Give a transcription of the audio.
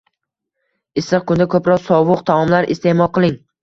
Issiq kunda ko`proq sovuq taomlar iste`mol qiling